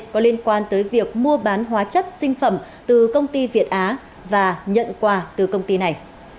có liên quan tới việc mua bán hóa chất sinh phẩm từ công ty việt á và nhận quà từ công ty này